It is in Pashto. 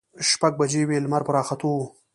شپږ بجې وې، لمر په راختو و.